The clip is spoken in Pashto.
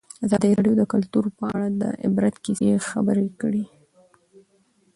ازادي راډیو د کلتور په اړه د عبرت کیسې خبر کړي.